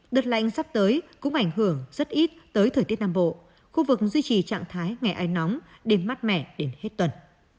đợt lạnh sắp tới cũng ảnh hưởng rất ít tới thời tiết nam bộ khu vực duy trì trạng thái ngày ánh nóng đêm mát mẻ đến hết tuần